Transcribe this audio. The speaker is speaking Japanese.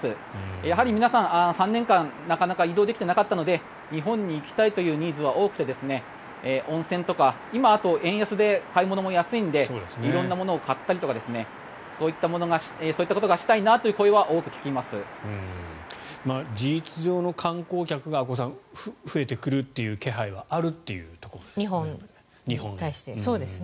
やはり皆さん３年間なかなか移動できていなかったので日本に行きたいというニーズは多くて、温泉とか今はあと円安で買い物も安いので色んなものを買ったりとかそういったことがしたいという声は事実上の観光客が増えてくるという気配はあるというところですね。